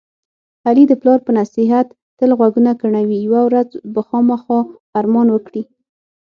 علي د پلار په نصیحت تل غوږونه کڼوي. یوه ورځ به خوامخا ارمان وکړي.